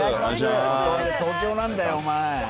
東京なんだ、お前。